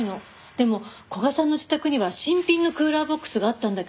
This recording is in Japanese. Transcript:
でも古賀さんの自宅には新品のクーラーボックスがあったんだけどね。